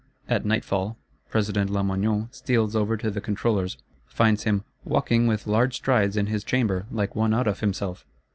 At nightfall, President Lamoignon steals over to the Controller's; finds him "walking with large strides in his chamber, like one out of himself."